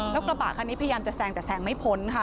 แล้วกระบะคันนี้พยายามจะแซงแต่แซงไม่พ้นค่ะ